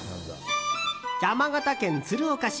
山形県鶴岡市。